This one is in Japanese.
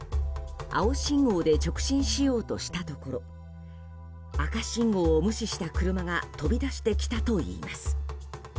青信号で直進しようとしたところ赤信号を無視した車が飛び出してきたといいます。